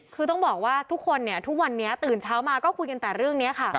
คือต้องบอกว่าทุกคนเนี่ยทุกวันนี้ตื่นเช้ามาก็คุยกันแต่เรื่องนี้ค่ะ